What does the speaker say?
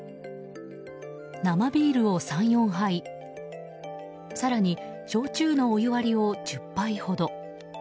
生ビールを３４杯更に焼酎のお湯割りを１０杯ほど。